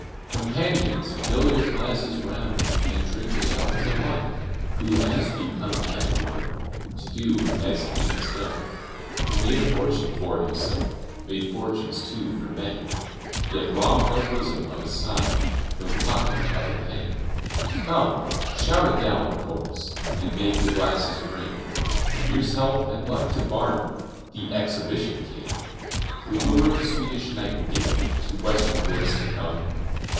Companions! fill your glasses round, And drink a health to one Who has few coming after him, To do as he has done; Who made a fortune for himself, Made fortunes, too, for many, Yet wronged no bosom of a sigh, No pocket of a penny. Come! shout a gallant chorus, And make the glasses ring, Here's health and luck to Barnum! The Exhibition King. Who lured the Swedish Nightingale To Western woods to come?